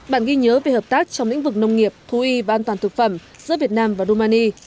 bản ghi nhớ về hợp tác trong lĩnh vực nông nghiệp thú y và an toàn thực phẩm giữa việt nam và rumani